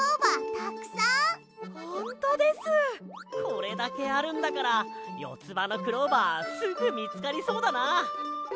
これだけあるんだからよつばのクローバーすぐみつかりそうだな！